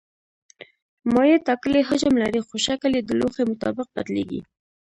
مایع ټاکلی حجم لري خو شکل یې د لوښي مطابق بدلېږي.